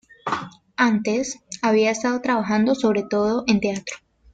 Antes, había estado trabajando sobre todo en teatro.